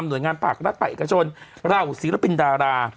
หน่วยงานปากรัฐปะเอกชนเราศิลปินดารา